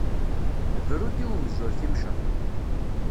Bru-d i umzur timceṭ.